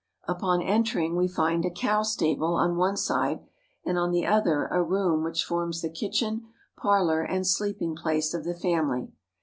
Upon entering, we find a cow stable on one side, and on the other a room which forms the kitchen, parlor, and sleeping place of the family.